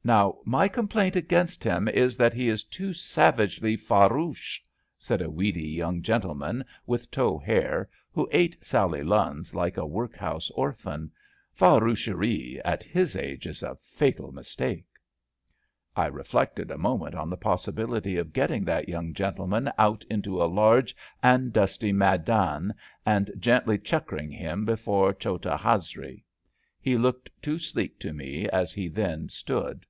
'* Now, my complaint against him is that he 248 ABAFT THE FUNNEL is too savagely farouche/' said a weedy young gentleman with tow hair, who ate Sally Lnnns like a workhouse orphan. Faroucherie in his age is a fatal mistake.^' I reflected a moment on the possibility of get ting that young gentleman out iato a large and dusty maidan and gently chukkering him before chota hazri. He looked too sleek to me as he then stood.